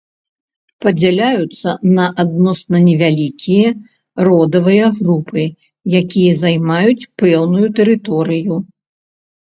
Падзяляюцца на адносна невялікія родавыя групы, якія займаюць пэўную тэрыторыю.